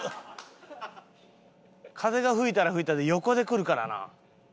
風が吹いたら吹いたで横でくるからな。